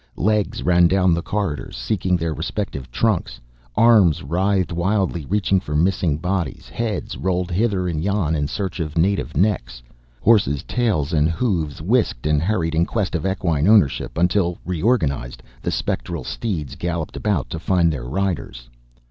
Legs ran down the corridors, seeking their respective trunks, arms writhed wildly reaching for missing bodies, heads rolled hither and yon in search of native necks. Horses' tails and hoofs whisked and hurried in quest of equine ownership until, reorganized, the spectral steeds galloped about to find their riders.